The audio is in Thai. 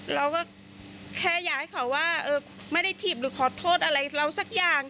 เราก็แค่อยากให้เขาว่าไม่ได้ถีบหรือขอโทษอะไรเราสักอย่าง